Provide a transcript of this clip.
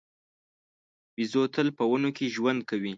بیزو تل په ونو کې ژوند کوي.